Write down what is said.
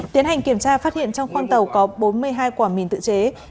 tiến hành kiểm tra phát hiện trong khoang tàu có bốn mươi hai quả mìn tự chế